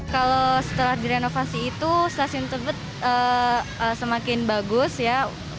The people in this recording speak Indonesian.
kalau setelah direnovasi itu stasiun tebet semakin bagus ya